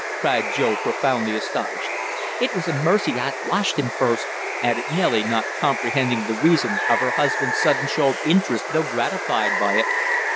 cried Joe, profoundly astonished. "It was a mercy I'd washed him first," added Nellie, not comprehending the reason of her husband's sudden show of interest though gratified by it.